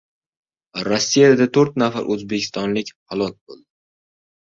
Rossiyada to‘rt nafar o‘zbekistonlik halok bo‘ldi